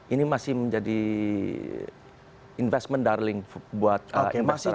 ini masih menjadi investment darling buat mrt